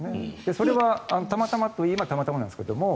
それは、たまたまといえばたまたまなんですが。